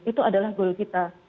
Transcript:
itu adalah goal kita